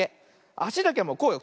あしだけはこうよ。